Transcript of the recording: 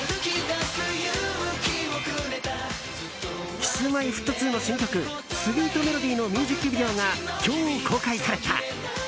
Ｋｉｓ‐Ｍｙ‐Ｆｔ２の新曲「ＳｗｅｅｔＭｅｌｏｄｙ」のミュージックビデオが今日、公開された。